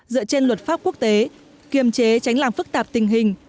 dựa trên luật pháp quốc tế kiềm chế tránh làm phức tạp tình hình